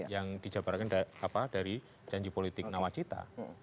yang dijabarkan dari janji politik nawacita